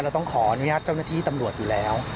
เราต้องขออนุญาตเจ้าหน้าที่ตำรวจอยู่แล้ว